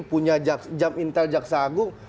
punya jap intel jaksagung